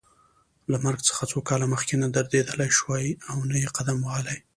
له مرګ څخه څو کاله مخکې نه درېدلای شوای او نه یې قدم وهلای.